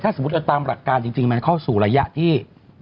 สมมุติเอาตามหลักการจริงมันเข้าสู่ระยะที่